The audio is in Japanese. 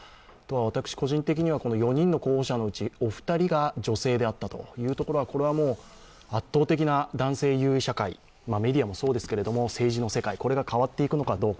私個人的には４人の候補者のうちお二人が女性であったということは圧倒的な男性優位社会、メディアもそうですけれども、政治の世界これが変わっていくのかどうか。